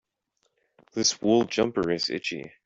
This wool jumper is itchy.